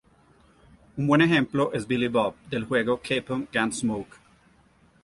Un buen ejemplo es Billy Bob del juego de Capcom "Gun Smoke".